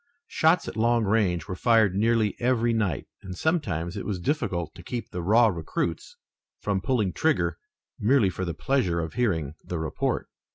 Shots at long range were fired nearly every night, and sometimes it was difficult to keep the raw recruits from pulling trigger merely for the pleasure of hearing the report.